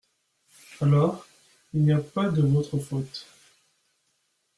Alors, il n’y a pas de votre faute.